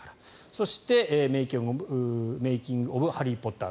そして、メイキング・オブ・ハリー・ポッター